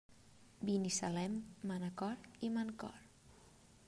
Binissalem, Manacor i Mancor.